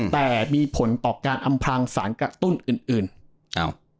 แต่มีผลต่อการอำพลังสารกระตุ้นอื่นอื่นอ้าว